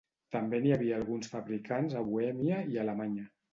També n'hi havia alguns fabricants a Bohèmia i Alemanya.